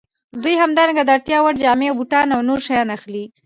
دوی همدارنګه د اړتیا وړ جامې او بوټان او نور شیان اخلي